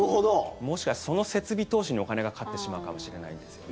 もしかしたらその設備投資にお金がかかってしまうかもしれないんですよね。